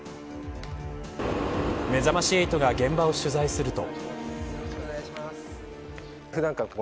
めざまし８が現場を取材すると。